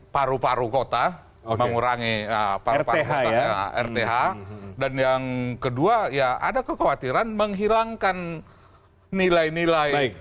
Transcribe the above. paru paru kota mengurangi apa rp haya rp h dan yang kedua ya ada kekhawatiran menghilangkan nilai nilai